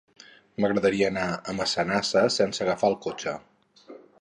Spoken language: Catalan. M'agradaria anar a Massanassa sense agafar el cotxe.